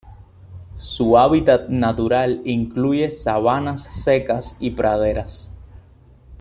Su hábitat natural incluye sabanas secas y praderas.